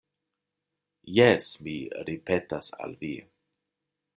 Jes, mi ripetas al vi.